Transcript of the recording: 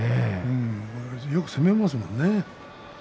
よく攻めますもんね。